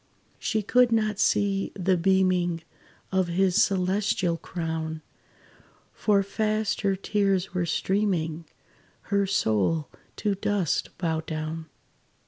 She could not see the beaming Of his celestial crown; For fast her tears were streaming; Her soul to dust bowed down.